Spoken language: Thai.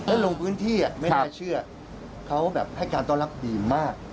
แล้วลงพื้นที่ไม่น่าเชื่อเขาแบบให้การต้อนรับดีมาก